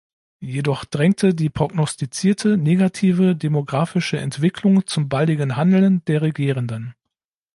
Jedoch drängte die prognostizierte negative demographische Entwicklung zum baldigen Handeln der Regierenden.